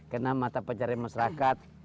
karena mata pencari masyarakat